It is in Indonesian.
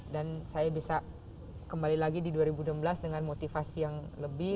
dan saya bisa kembali lagi di dua ribu enam belas dengan motivasi yang lebih